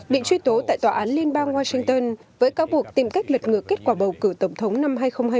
bị truy tố tại tòa án liên bang washington với cáo buộc tìm cách lật ngược kết quả bầu cử tổng thống năm hai nghìn hai mươi